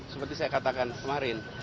seperti saya katakan kemarin